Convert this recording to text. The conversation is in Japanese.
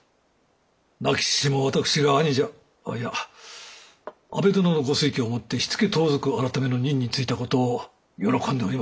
亡き父も私が兄者いや安部殿のご推挙をもって火付盗賊改の任に就いたことを喜んでおりましょう。